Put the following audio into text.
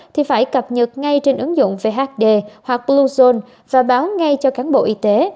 thì phải cập nhật ngay trên ứng dụng vhd hoặc bluezone và báo ngay cho cán bộ y tế